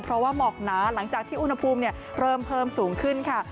เพราะว่าหมอกหนาหลังจากที่อุณหภูมิเริ่มเพิ่มสูงขึ้นค่ะ